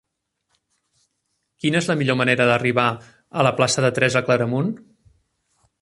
Quina és la millor manera d'arribar a la plaça de Teresa Claramunt?